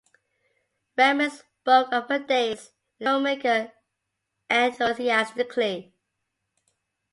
Rehman spoke of her days with the filmmaker enthusiastically.